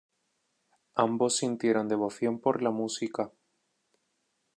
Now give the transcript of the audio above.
Ambos sintieron devoción por la música.